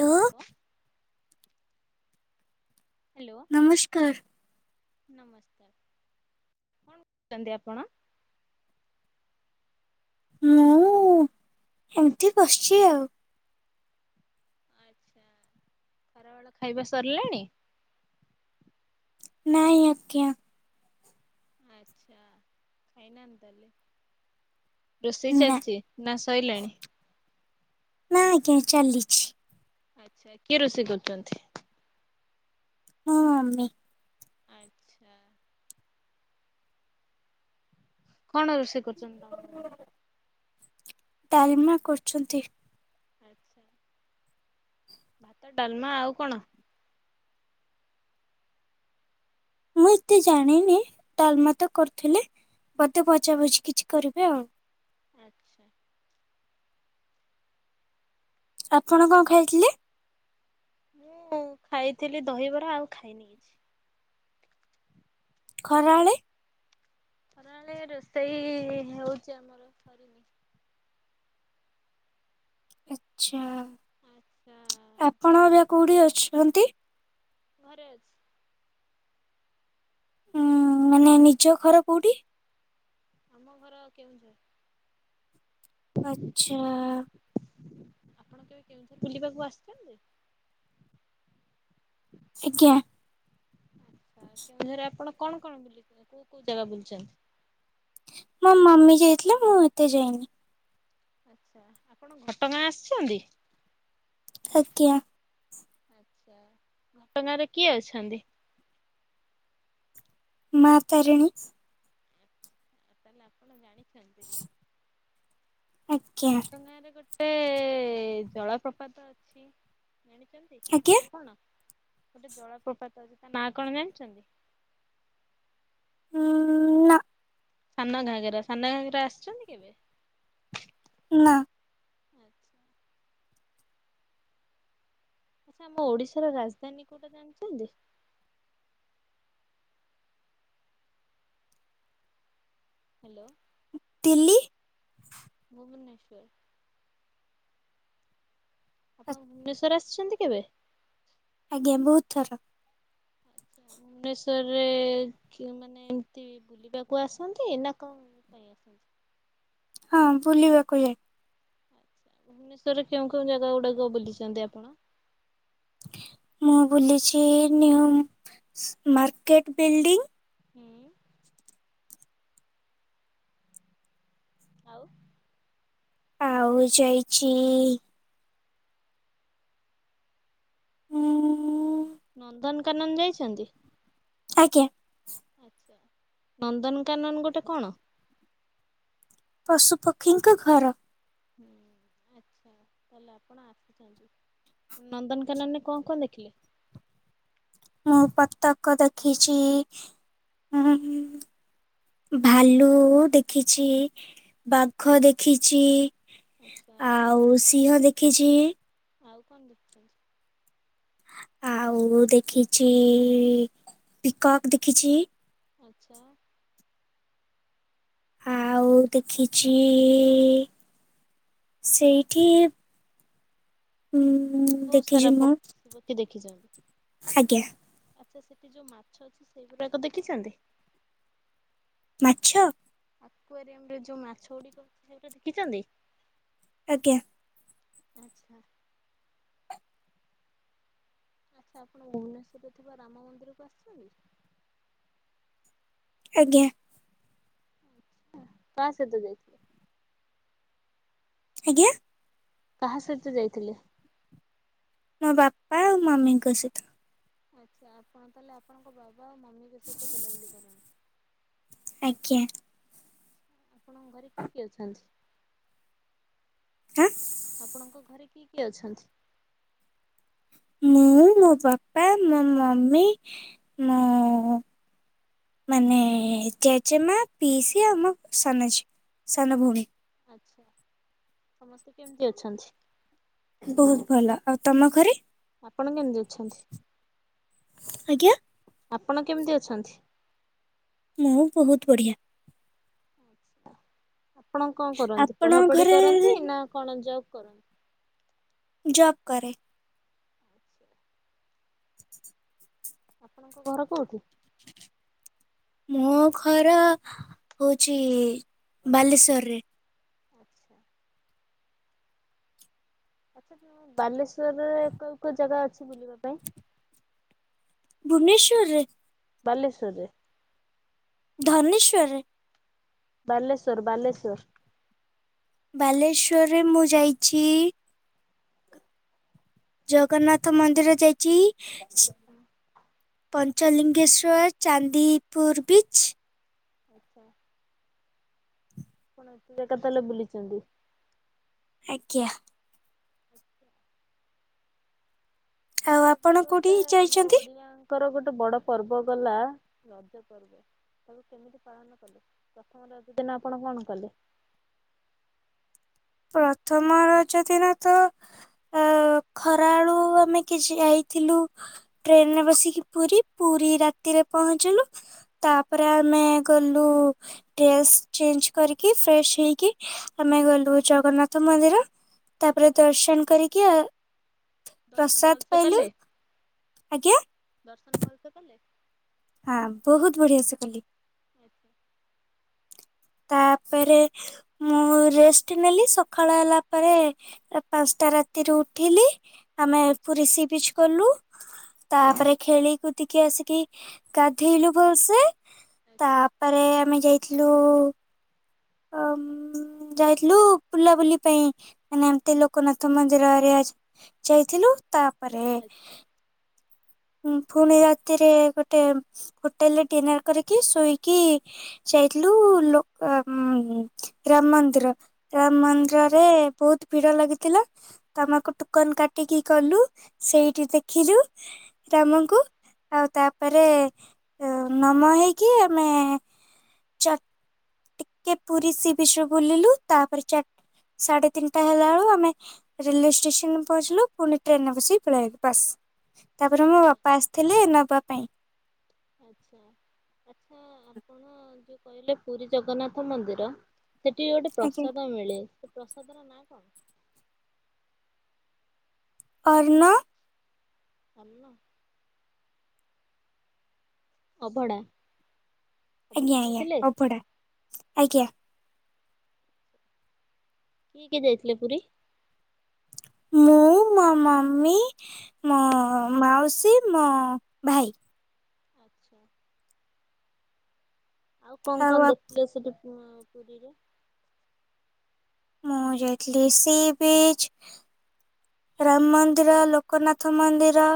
Hello hello. ନମସ୍କାର। ନମସ୍କାର। କଣ କରୁଛନ୍ତି ଆପଣ? ମୁଁ ଏମିତି ବସିଛି ଆଉ। ଆଚ୍ଛା। ଖରାବେଳ ଖାଇବା ସରିଲାଣି? ନାଇଁ ଆଜ୍ଞା। ଆଚ୍ଛା ଫାଇନାନ୍ ତାଏଲେ ରୋଷେଇ ନା ଚାଲିଛି ନା ସଇଲାଣି? ନାଁ ଆଜ୍ଞା ଚାଲିଛି। ଆଚ୍ଛା କିଏ ରୋଷେଇ କରୁଛନ୍ତି? ମୋ ମମି। ଆଚ୍ଛା। କଣ ରୋଷେଇ କରୁଛନ୍ତି ତମ? ମମି? ଡ଼ାଲମା କରୁଛନ୍ତି। ଆଚ୍ଛା। ଭାତ ଡାଲମା ଆଉ କଣ? ମୁଁ ଏତେ ଜାଣିନି ତାଲମା ତ କରୁଥିଲେ ବୋତେ ଭଜାଭଜି କିଛି କରିବେ ଆଉ। ଆଚ୍ଛା। ଆପଣ କଣ ଖାଇଥିଲେ? ମୁଁ ଖାଇଥିଲି ଦହିବରା ଆଉ ଖାଇନି କିଛି। ଖରାଏଳେ। ହରାଏଳ ରୋଷେଇ ହେଉଛି ଆମର ସରିନି। ଆଚ୍ଛା ଆଚ୍ଛା ଆପଣ ଏବେ କୋଉଠି ଅଛନ୍ତି? ଘରେ ଅଛି। ଉଁ ମାନେ ନିଜ ଘର କୋଉଠି? ଆମ ଘର କେଉଁଝର। ଆଚ୍ଛା। ଆପଣ କେବେ କେଉଁଝର ବୁଲିବାକୁ ଆସିଛନ୍ତି? ଆଜ୍ଞା। ଆଛା କେଉଁଝରେ ଆପଣ କଣ କଣ ବୁଲିଥିଲେ କୋଉ କୋଉ ଜାଗା ବୁଲିଛନ୍ତି? ମୋ ମମି ଯାଇଥିଲେ ମୁଁ ଏତେ ଯାଇନି। ଆଚ୍ଛା, ଆପଣ ଘଟଗାଁ ଆସିଛନ୍ତି? ଆଜ୍ଞା। ଆଛା ଘଟଙ୍ଗାରେ କିଏ ଅଛନ୍ତି? ମା ତାରିଣୀ। ତାହେଲେ ଆପଣ ଜାଣିଛନ୍ତି। ଆଜ୍ଞା ଘଟଙ୍ଗାରେ ଗୋଟେ ଜଳପ୍ରପାତ ଅଛି ଜାଣିଛନ୍ ତି ଆଜ୍ଞା ନାଁ କଣ ଗୋଟେ ଜଳପ୍ରପାତ ଅଛି ତା ନାଁ କଣ ଜାଣିଛନ୍ତି? ଉଁ ନା ସାନ ଘାଗେରା ସାନ ଘାଗେରା ଆସିଛନ୍ତି କେବେ? ନା। ଆଚ୍ଛା ଛା ଆମ ଓଡ଼ିଶାର ରାଜଧାନୀ କୋଉଟା ଜାଣିଛନ୍ତି? ହ୍ୟାଲୋ। ଦିଲ୍ଲୀ। ଭୁବନେଶ୍ୱର। ଆପଣ ଭୁବନେଶ୍ୱର ଆସିଛନ୍ତି କେବେ? ଆଜ୍ଞା ବହୁତ ଥର। ଭୁବନେଶ୍ଵରରେ ଚୁ ମାନେ ଏମତି ବୁଲିବାକୁ ଆସନ୍ତି ନା କନ୍ ପାଇଁ ଆସନ୍ତି? ହଁ ବୁଲିବାକୁ ହେ ଆଚ୍ଛା ଭୁବନେଶ୍ୱରରେ କେଉଁ କେଉଁ ଜାଗା ଗୁଡ଼ାକ ବୁଲିଛନ୍ତି ଆପଣ? ମୁଁ ବୁଲିଛି ନିଉ ସ ମାର୍କେଟ ବିଲ୍ଡିଂ। ହୁଁ। ଆଉ। ଆଉ ଯାଇଛି ଉଁ ନନ୍ଦନକାନନ ଯାଇଛନ୍ତି? ଆଜ୍ଞା। ଆଛା ନନ୍ଦନକାନନ ଗୋଟେ କଣ? ପଶୁପକ୍ଷୀଙ୍କ ଘର। ହୁଁ ଆଛା ତାହା ହେଲେ ଆପଣ ଆ ନନ୍ଦନକାନନରେ କଣ କଣ ଦେଖିଲେ? ମୁଁ ବତକ ଦେଖିଛି ଉଁ ଭାଲୁ ଦେଖିଛି ବାଘ ଦେଖିଛି ଆଚ୍ଛା ଆଉ ସିଂହ ଦେଖିଛି ଆଉ କଣ ଦେଖୁଛନ୍ତି ଆଉ ଦେଖିଛି ପିକକ୍ ଦେଖିଛି ଆଚ୍ଛା। ଆଉ ଦେଖିଛି ସେଇଠି ହୁଁ ବହୁତ ସାରା ଦେଖିଛି ମୁଁ ପକ୍ଷୀ ପକ୍ଷୀ ଦେଖିଛନ୍ତି ଆଜ୍ଞା ଆଚ୍ଛା ସେଠି ଯୋଉ ମାଛ ଅଛି ସେଇଗୁଡାକ ଦେଖିଛନ୍ତି? ମାଛ ଆକୁଆରିଅମ୍ ରେ ଯୋଉ ମାଛ ଗୁଡିକ ଅଛି ସେଗୁଟା ଦେଖିଛନ୍ତି ଆଜ୍ଞା। ଆଚ୍ଛା। ଆଚ୍ଛା ଆପଣ ଭୁବନେଶ୍ୱରରେ ଥିବା ରାମ ମନ୍ଦିରକୁ ଆସିଛନ୍ତି? ଆଜ୍ଞା। କାହା ସହିତ ଯାଇଥିଲେ? ଆଜ୍ଞା। କାହା ସହିତ ଯାଇଥିଲେ? ମୋ ବାପା ଆଉ ମାମି ଙ୍କ ସହିତ। ଆଚ୍ଛା ଆପଣ ତାହେଲେ ଆପଣଙ୍କ ବାବା ଆଉ ମମିଙ୍କ ସହିତ ବୁଲାବୁଲି କରନ୍ତି। ଆଜ୍ଞା। ଆପଣଙ୍କ ଘରେ କିଏ କିଏ ଅଛନ୍ତି ଆଁ ଆପଣଙ୍କ ଘରେ କିଏ କିଏ ଅଛନ୍ତି? ମୁଁ ମୋ ବାପା ମୋ ମମି ମୋ ମାନେ ଜେଜେମା ପିଇସି ଆମ ସାନଝିଅ ସାନ ଭଉଣୀ ଆଚ୍ଛା ସମସ୍ତେ କେମିତି ଅଛନ୍ତି? ବହୁତ ଭଲ ଆଉ ତମ ଘରେ। ଆପଣ କେମିତି ଅଛନ୍ତି? ଆଜ୍ଞା ଆପଣ କେମିତି ଅଛନ୍ତି? ମୁଁ ବହୁତ ବଢିଆ। ଆପଣ କଣ କରନ୍ତି ଆପଣଙ୍କ ପଢାପଢି ଘରେ କରନ୍ତି ନା କଣ ଜବ କରନ୍ତି? ଜବ କରେ। ଆପଣଙ୍କ ଘର କୋଉଠି? ମୋ ଘର ହଉଛି ବାଲେଶ୍ଵରରେ। ଆଚ୍ଛା। ଆଚ୍ଛା ବାଲେଶ୍ଵରରେ କଉ କଉ ଜାଗା ଅଛି ବୁଲିବା ପାଇଁ? ଭୁବନେଶ୍ଵରରେ ବାଲେଶ୍ୱର ରେ ଧନେଶ୍ୱରରେ ବାଲେଶ୍ଵର ବାଲେଶ୍ଵର ବାଲେଶ୍ଵରରେ ମୁଁ ଯାଇଛି ଜଗନ୍ନାଥ ମନ୍ଦିର ଯାଇଛି ଆଚ୍ଛା ପଞ୍ଚଲିଙ୍ଗେଶ୍ୱର ଚାନ୍ଦିପୁର ବିଚ୍ ଆଚ୍ଛା। ଆପଣ ଏତେଜାକ ତାହେଲେ ବୁଲିଛନ୍ତି। ଆଜ୍ଞା। ଆଉ ଆପଣ କଉଠିକି ଯାଇଛନ୍ତି? ତାଙ୍କର ଗୋଟେ ବଡ ପର୍ବ ଗଲା ରଜ ପର୍ବ। କେମିତି ପାଳନ କଲେ ପ୍ରଥମ ରଜ ଦିନ ଆପଣ କଣ କଲେ? ପ୍ରଥମ ରଜ ଦିନ ତ ଅ ଖରା ଆଳୁ ଆମେ କିଛି ଯାଇଥିଲୁ। ଟ୍ରେନରେ ବସିକି ପୁରୀ ପୁରୀ ରାତିରେ ପହଞ୍ଚିଲୁ। ତାପରେ ଆମେ ଗଲୁ ଡ୍ରେସ୍ ଚେଞ୍ଜ କରିକି ଫ୍ରେଶ ହେଇକି ଆମେ ଗଲୁ ଜଗନ୍ନାଥ ମନ୍ଦିର। ତାପରେ ଆଚ୍ଛା ଦର୍ଶନ କରିକି ଦର୍ଶନ ପ୍ରସାଦ ଭଲସେ ପାଇଲୁ କଲେ ଆଜ୍ଞା। ଦର୍ଶନ ଭଲସେ କଲେ? ହଁ ବହୁତ ବଢିଆ ସେ କଲି। ଆଛା। ତାପରେ ମୁଁ ରେଷ୍ଟ ନେଲି ସକାଳ ହେଲା ପରେ ଏ ପାଞ୍ଚଟା ରାତିରେ ଉଠିଲି। ଆମେ ଆଚ୍ଛା ପୁରି ସି ବିଚ୍ ଗଲୁ। ତାପରେ ଖେଳି କୁଦିକି ଆସିକି ଗାଧେଇଲୁ ଭଲସେ। ଆଚ୍ଛା ତାପରେ ଆମେ ଯାଇଥିଲୁ [inaudible] ଯାଇଥିଲୁ ବୁଲାବୁଲି ପାଇଁ ମାନେ ଏମତି ଲୋକନାଥ ମନ୍ଦିର ଆରେ। ଯାଇଥିଲୁ ତାପରେ ହୁଁ ପୁଣି ରାତିରେ ଗୋଟେ ହୋଟେଲରେ ଡିନର କରିକି ଶୋଇକି ଯାଇଥିଲୁ ଲୋ ଅ ରାମ ମନ୍ଦିର ରାମ ଆଚ୍ଛା ଆଚ୍ଛା ମନ୍ଦିରରେ ବହୁତ ଭିଡ ଲାଗିଥିଲା। ତମକୁ ଟୋକନ କାଟିକି କଲୁ, ସେଇଠି ଦେଖିଲୁ ଆଚ୍ଛା ରାମଙ୍କୁ। ଆଉ ତାପରେ ନମ ହେଇକି ଆମେ ଚ କେ ପୁରୀ ସି ବିଚ୍ ରେ ବୁଲିଲୁ ତାପରେ ଚାର ସାଢେ ତିନିଟା ହେଲା ବେଳକୁ ଆମେ ରେଲୱେ ଷ୍ଟେସନ ପହଞ୍ଚିଲୁ ପୁଣି ଟ୍ରେନରେ ବସି ପାଲେଇଆଇଲୁ ବସ୍। ଆଚ୍ଛା ତାପରେ ମୋ ଆଚ୍ଛା। ବାପା ଆସିଥିଲେ ନେବା ପାଇଁ। ଆଚ୍ଛା ଆଚ୍ଛା। ଆପଣ ଯୋଉ କହିଲେ ପୁରୀ ଜଗନ୍ନାଥ ମନ୍ଦିର ସେଠି ଗୋଟେ ଆଜ୍ଞା ପ୍ରସାଦ ମିଳେ ସେ ପ୍ରସାଦର ନାଁ କଣ? ଅର୍ନ। ଅନ୍ନ? ଅଭଡ଼ା। ଆଜ୍ଞା ଆଜ୍ଞା ଅଭଡା ଆଜ୍ଞା। କି କି ଯାଇଥିଲେ ପୁରୀ? ମୁଁ, ମୋ ମମି, ମୋ ମାଉସୀ, ମୋ ଭାଇ। ଆଚ୍ଛା। ଆଉ କଣ କଣ ଦେଖିଲେ ସବୁ ଉ ପୁରୀରେ? ମୁଁ ଯାଇଥିଲି ସି ବିଚ୍। ରାମ ମନ୍ଦିର, ଲୋକନାଥ ମନ୍ଦିର।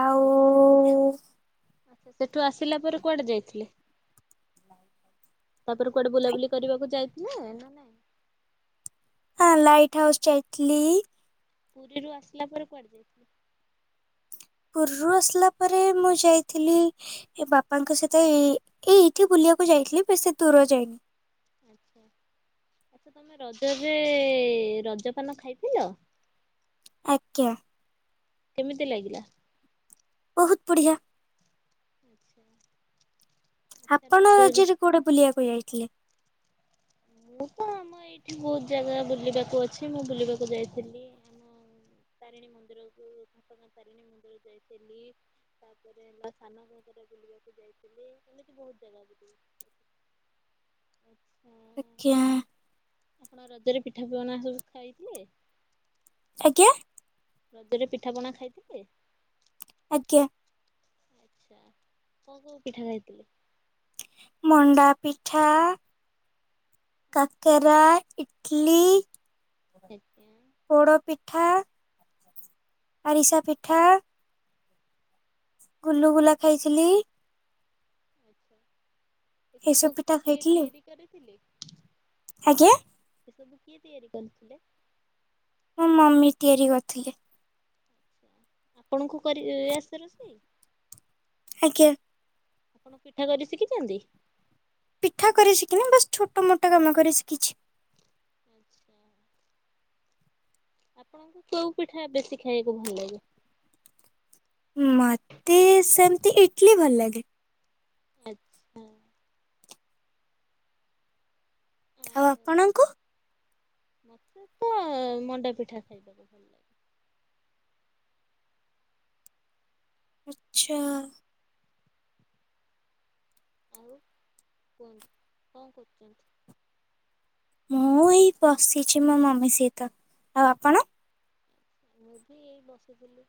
ଆଉ ଆଚ୍ଛା, ସେଠୁ ଆସିଲା ପରେ କୁଆଡ଼େ ଯାଇଥିଲେ? ତାପରେ କୁଆଡେ ବୁଲାବୁଲି କରିବାକୁ ଯାଇଥିଲେ ନା ନାଇଁ? ହଁ ଲାଇଟ୍ ହାଉସ୍ ଯାଇଥିଲି। ପୁରୀରୁ ଆସିଲା ପରେ କୁଆଡେ ଯାଇଥିଲ? ପୁରୀରୁ ଆସିଲା ପରେ ମୁଁ ଯାଇଥିଲି ଏ ବାପାଙ୍କ ସହିତ ଏଇ ଏଇ ଏଇଠି ବୁଲିବାକୁ ଯାଇଥିଲି ବେଶୀ ଦୂର ଯାଇନି। ଆଚ୍ଛା। ଆଛା ତମେ ରଜରେ ରଜପାନ ଖାଇଥିଲ? ଆଜ୍ଞା। କେମିତି ଲାଗିଲା? ବହୁତ ବଢ଼ିଆ। ଆଚ୍ଛା। ଆପଣ ରଜରେ କୁଆଡେ ବୁଲିବାକୁ ଯାଇଥିଲେ? ମୁଁ ତ ଆମ ଏଇଠି ବହୁତ ଜାଗା ବୁଲିବାକୁ ଅଛି ମୁଁ ବୁଲିବାକୁ ଯାଇଥିଲି। ଆମ ତାରିଣୀ ମନ୍ଦିରକୁ [unintelligible] ତାରିଣୀ ମନ୍ଦିର ଯାଇଥିଲି ତାପରେ ସାନଘାଗେରା ବୁଲିବାକୁ ଯାଇଥିଲି। ଥିଲ ଏମତି ବହୁତ ଜାଗା ବୁଲିଛି। ଆଜ୍ଞା। ଆପଣ ରଜରେ ପିଠା ପଣା ସବୁ ଖାଇଥିଲେ? ଆଜ୍ଞା। ରଜରେ ପିଠାପଣା ଖାଇଥିଲେ? ଆଜ୍ଞା। ଆଛା କଣ କଣ ପିଠା ଖାଇଥିଲେ? ମଣ୍ଡା ପିଠା, କାକେରା, ଇଟିଲି। ଆଜ୍ଞା। ପୋଡ଼ପିଠା। ଆରିସା ପିଠା। ଗୁଲୁଗୁଲା ଖାଇଥିଲି। ଆଚ୍ଛା ଏସବୁ ପିଠା କି ଖାଇଥିଲି ତିଆରି କରିଥିଲେ? ଆଜ୍ଞା? ଏ ସବୁ କିଏ ତିଆରି କରିଥିଲେ? ମୋ ମମି ତିଆରି କରିଥିଲେ। ଆଚ୍ଛା, ଆପଣଙ୍କୁ କରି ଆସେ ରୋଷେଇ? ଆଜ୍ଞା ଆପଣ ପିଠା କରି ଶିଖିଛନ୍ତି? ପିଠା କରି ଶିଖିନି ବାସ୍ ଛୋଟ ମୋଟ କାମ କରି ଶିଖିଛି। ଆଚ୍ଛା ଆପଣଙ୍କୁ କୋଉ ପିଠା ବେଶୀ ଖାଇବାକୁ ଭଲ ଲାଗେ? ମତେ ସେମିତି ଇଟଲିି ଭଲ ଲାଗେ। ଆଚ୍ଛା। ଆଉ ଆପଣଙ୍କୁ? ମତେ ତ ମଣ୍ଡା ପିଠା ଖାଇବାକୁ ଭଲ ଲାଗେ। ଆ ଆଚ୍ଛା। ଆଉ କୁହନ୍ତୁ କଣ କରୁଛନ୍ତି? ମୁଁ ଏଇ ବସିଛି ମୋ ମମି ସହିତ ଆଉ ଆପଣ? ମୁଁ ବି ଏଇ ବସିଥିଲି।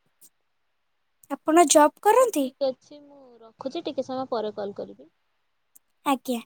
ଆପଣ ଜବ୍ ହଉ କରନ୍ତି ଠିକ୍ ଅଛି ମୁଁ ରଖୁଛି ଟିକେ ସମୟ ପରେ କଲ୍ କରିବି? ଆଜ୍ଞା।